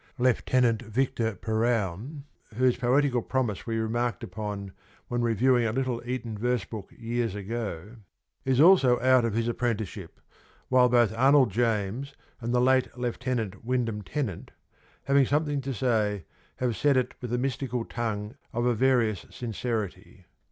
Lieut. Victor Perowne (whose poetical promise we remarked upon when reviewing a little Eton verse book years ago) is also out of his ap 106 prenticeship, while both Arnold James and the late Lieut. Wyndham Tennant, having something to say, have said it with the mystical tongue of a various sincerity.